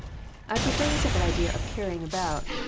I prefer the simple idea of " carrying about."